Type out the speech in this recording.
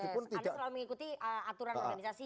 anda selalu mengikuti aturan organisasi